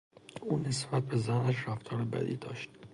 او نسبت به زنش رفتار بدی داشت.